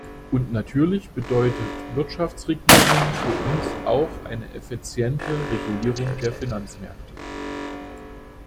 Und natürlich bedeutet Wirtschaftsregierung für uns auch eine effiziente Regulierung der Finanzmärkte.